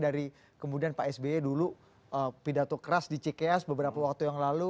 dari kemudian pak sby dulu pidato keras di cks beberapa waktu yang lalu